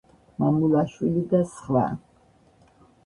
მამულაშვილი და სხვა.